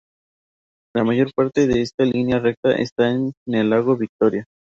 La mayor parte de esta línea recta está en el lago Victoria.